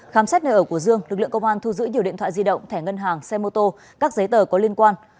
khám xét nơi ở của dương lực lượng công an thu giữ nhiều điện thoại di động thẻ ngân hàng xe mô tô các giấy tờ có liên quan